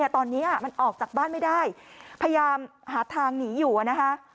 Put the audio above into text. ตอนนี้มันออกจากบ้านไม่ได้พยายามหาทางหนีอยู่นะคะ